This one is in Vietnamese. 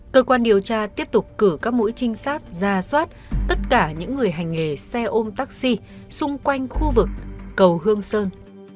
cơ quan điều tra tiếp tục cử các mũi trinh sát ra soát tất cả những người hành nghề xe ôm taxi xung quanh khu vực cầu hương sơn